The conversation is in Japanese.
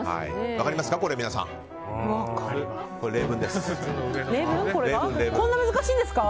分かりますか？